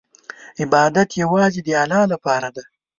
عبادت یوازې د الله لپاره دی.